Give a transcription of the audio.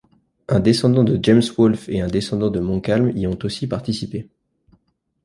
Un descendant de James Wolfe et un descendant de Montcalm y ont aussi participé.